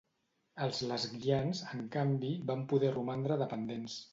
Els lesguians, en canvi, van poder romandre dependents.